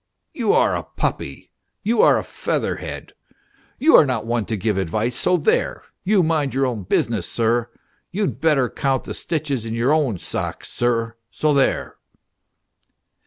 " You are a puppy, you are a featherhead, you are not one to give advice, so there you mind your own business, sir. You'd better count the stitches in your own socks, sir, so there